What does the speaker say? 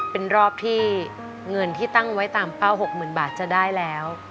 เป็นรอบที่เงินที่ตั้งไว้ตามเป้า๖๐๐๐บาทจะได้แล้ว